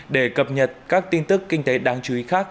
để cập nhật các tin tức kinh tế đáng chú ý khác